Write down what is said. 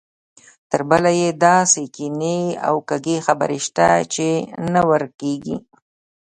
تربله یې داسې کینې او کږې خبرې شته چې نه ورکېږي.